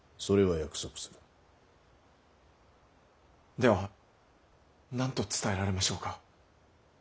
では何と伝えられましょうか。